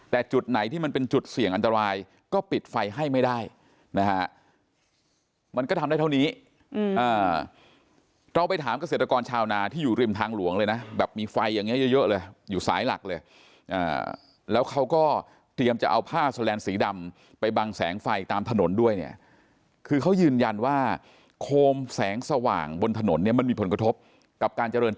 แต่จุดไหนที่มันเป็นจุดเสี่ยงอันตรายก็ปิดไฟให้ไม่ได้นะฮะมันก็ทำได้เท่านี้เราไปถามเกษตรกรชาวนาที่อยู่ริมทางหลวงเลยนะแบบมีไฟอย่างนี้เยอะเลยอยู่สายหลักเลยแล้วเขาก็เตรียมจะเอาผ้าแสลนสีดำไปบังแสงไฟตามถนนด้วยเนี่ยคือเขายืนยันว่าโคมแสงสว่างบนถนนเนี่ยมันมีผลกระทบกับการเจริญ